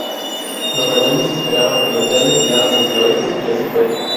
Los rebeldes esperaban que los leales llegaran desde el oeste, y así fue.